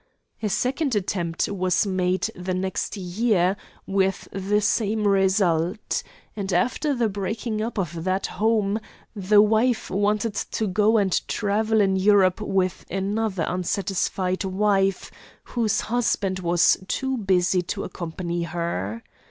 A second attempt was made the next year, with the same result, and after the breaking up of that home the wife wanted to go and travel in Europe with another unsatisfied wife whose husband was too busy to accompany her.